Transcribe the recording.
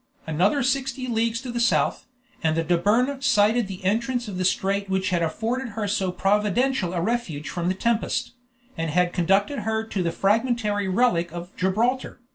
Another sixty leagues to the south, and the Dobryna sighted the entrance of the strait which had afforded her so providential a refuge from the tempest, and had conducted her to the fragmentary relic of Gibraltar.